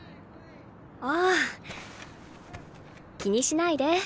ああ気にしないで。